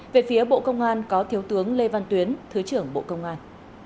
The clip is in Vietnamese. về phía bộ công an có thiếu tướng lê văn tuyến thứ trưởng bộ công an